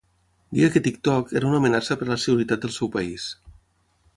deia que TikTok era una amenaça per a la seguretat del seu país